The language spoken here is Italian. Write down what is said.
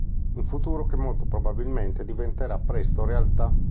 Un futuro che molto probabilmente diventerà presto realtà.